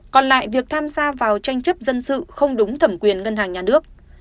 còn lại việc tham gia vào tranh chấp dân sự không đúng thẩm quyền ngân hàng nhà nước